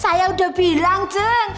saya udah bilang jeng